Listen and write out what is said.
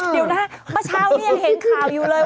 เดี๋ยวนะครับประเทศเช้านี้ยังเห็นข่าวอยู่เลย